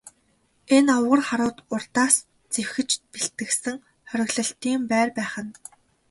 Энэ овгор харууд урьдаас зэхэж бэлтгэсэн хориглолтын байр байх нь.